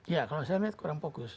ya kalau saya melihat kurang fokus